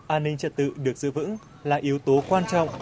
an ninh trật tự được giữ vững là yếu tố quan trọng